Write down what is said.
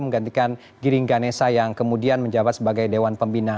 menggantikan giringganesa yang kemudian menjabat sebagai dewan pembina